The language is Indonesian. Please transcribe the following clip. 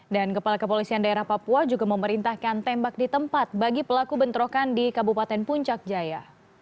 dan kepala kepolisian daerah papua juga memerintahkan tembak di tempat bagi pelaku bentrokan di kabupaten puncak jaya